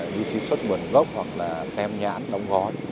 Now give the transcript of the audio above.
như sứ xuất nguồn gốc hoặc là tem nhãn đông gói